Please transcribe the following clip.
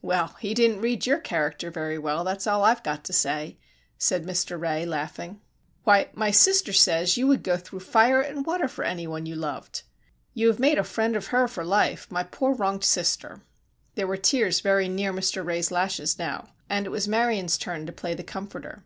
"Well, he didn't read your character very well, that's all I've got to say," said Mr. Ray, laughing. "Why, my sister says you would go through fire and water for any one you loved! You have made a friend of her for life, my poor wronged sister!" There were tears very near Mr. Ray's lashes now, and it was Marion's turn to play the comforter.